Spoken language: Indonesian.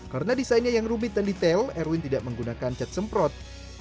karena desainnya yang rumit dan detail erwin tidak menggunakan cat semprot